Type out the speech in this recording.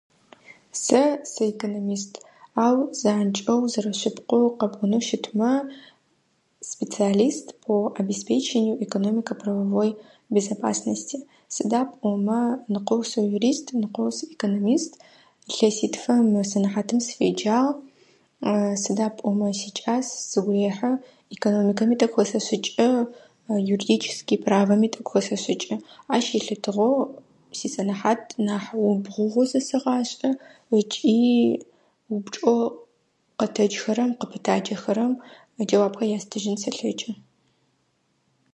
Сэ сыэкономист, ау занкӏэу зэрэщыткӏоу къэпӏонэу щытмэ, специалист по обеспечению экономико-правовой безопасности. Сыда пӏомэ, ныкъо сыюрист, ныкъо сыэкономист. Илъэситфым мы сэнэхьатым сыфеджагъ. сыда пӏомэ, сикӏас, сигу рехьы экономикэр, тӏэкӏу зэхэсэшӏыкӏы; юридическэ правахэри тӏэкӏу зэхэсэшӏыкӏы. Ащ елъытыгъэу, сисэнэхьат нахь убгъугъэ зэсэгъашӏэ ыкӏи упчӏэу къытекӏхэрэм, къыпытакӏэрэхэм иджэуапхэр ястыжьын сэлъэкӏы.